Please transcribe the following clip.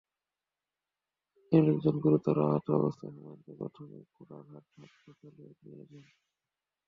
স্থানীয় লোকজন গুরুতর আহত অবস্থায় হুমায়ুনকে প্রথমে ঘোড়াঘাট হাসপাতালে নিয়ে যান।